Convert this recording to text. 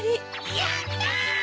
やった！